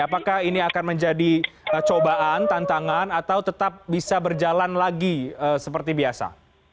apakah ini akan menjadi cobaan tantangan atau tetap bisa berjalan lagi seperti biasa